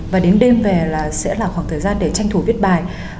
và đến đêm về là sẽ là khoảng thời gian để tranh thủ viết bài